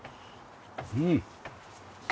うん。